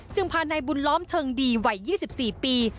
จึงพาในบุญล้อมเติงดีไหว้๒๔ปี